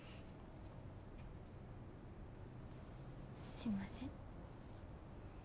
すいません。